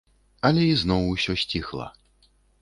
Але ізноў усё сціхла.